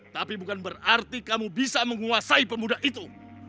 tapi bukan berarti kamu bisa menguasai pemuda itu